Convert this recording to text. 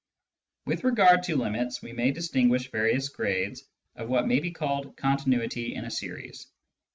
With regard to limits, we may distinguish various grades of what may be called " continuity " in a series.